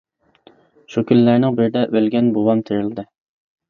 شۇ كۈنلەرنىڭ بىرىدە، ئۆلگەن بوۋام تىرىلدى.